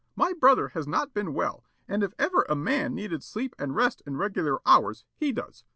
My brother has not been well and if ever a man needed sleep and rest and regular hours, he does.